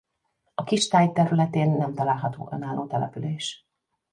A kistáj területén nem található önálló település.